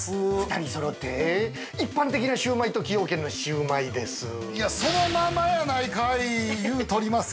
◆２人そろって一般的なシューマイと崎陽軒のシウマイですぅ。